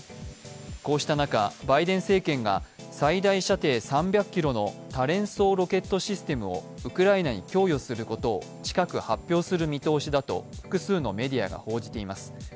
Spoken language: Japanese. こうした中、バイデン政権が最大射程３００ｋｍの多連装ロケットシステムをウクライナに供与することを近く発表する見通しだと複数のメディアが報じています。